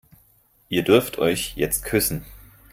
Ihr dürft euch jetzt küssen.